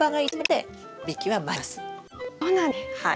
はい。